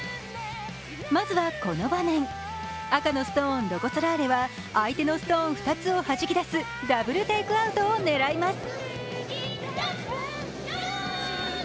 まずはこの場面、赤のストーン、ロコ・ソラーレは相手のストーン２つをはじき出すダブルテイクアウトを狙います。